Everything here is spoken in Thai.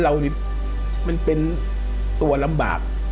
มันเป็นตัวลำบาก